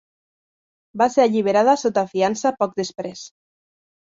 Va ser alliberada sota fiança poc després.